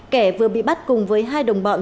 kẻ vừa bị bắt cùng với hai đồng bọn